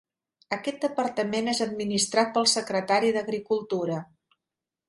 Aquest departament és administrat pel secretari d'agricultura.